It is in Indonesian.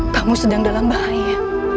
kamu sedang dalam bahaya